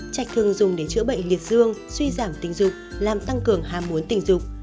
trạch thường dùng để chữa bệnh liệt dương suy giảm tình dục làm tăng cường hàm muốn tình dục